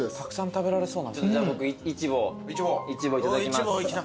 じゃあ僕イチボいただきます。